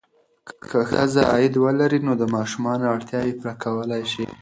که ښځه عاید ولري، نو د ماشومانو اړتیاوې پوره کولی شي.